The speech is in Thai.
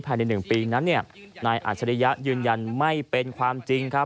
ภายใน๑ปีนั้นเนี่ยนายอัจฉริยะยืนยันไม่เป็นความจริงครับ